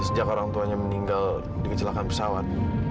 sejak orang tuanya meninggal di kecelakaan pesawat